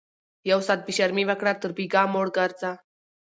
ـ يو ساعت بې شرمي وکړه تر بيګاه موړ ګرځه